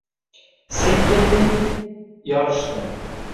Sen kelding, yorishdi